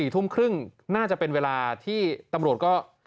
๔ทุ่มครึ่งน่าจะเป็นเวลาที่ตำรวจก็